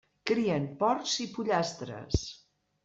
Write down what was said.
Crien porcs i pollastres.